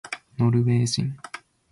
ノルウェー人